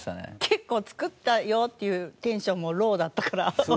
結構「造ったよ」って言うテンションもローだったから。